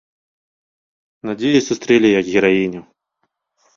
Надзею сустрэлі як гераіню.